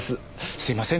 すいません